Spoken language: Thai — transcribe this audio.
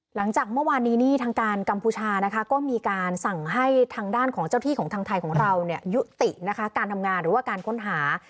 หลังจากเมื่อวานนี้นี่ทางการกัมพูชานะคะก็มีการสั่งให้ทางด้านของเจ้าที่ของทางไทยของเรายุตินะคะการทำงานหรือว่าการค้นหา